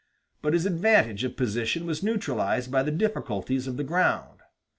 But his advantage of position was neutralized by the difficulties of the ground.